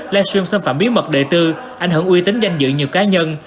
livestream xâm phạm bí mật đệ tư ảnh hưởng uy tính danh dự nhiều cá nhân